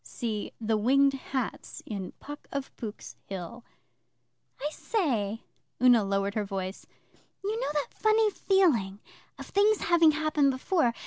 [See 'The Winged Hats' in PUCK OF POOK'S HILL.] I say,' Una lowered her voice 'you know that funny feeling of things having happened before.